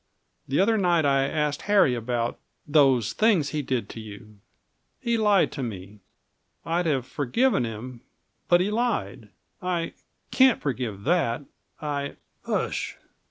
The other night I asked Harry about those things he did to you. He lied to me. I'd have forgiven him but he lied. I can't forgive that. I " "Hush!"